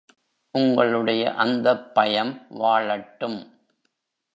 உங்களுடைய அந்தப் பயம் வாழட்டும்!